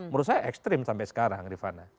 menurut saya ekstrim sampai sekarang rifana